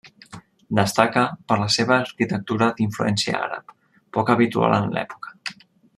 Destaca per la seva arquitectura d'influència àrab, poc habitual en l'època.